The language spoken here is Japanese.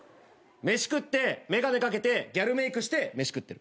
飯食って眼鏡掛けてギャルメークして飯食ってる。